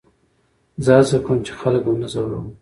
زه هڅه کوم، چي خلک و نه ځوروم.